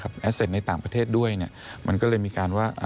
แอสเตจในต่างประเทศด้วยมันก็เลยมีการว่า